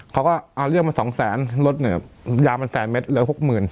เขาก็เอาเรียกมา๒๐๐๐๐๐ลดเนี่ยยามันแสนเมตรเหลือ๖๐๐๐๐